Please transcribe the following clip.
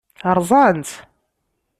Ṛṛẓan-tt?